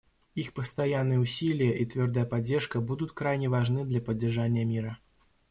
Их постоянные усилия и твердая поддержка будут крайне важны для поддержания мира.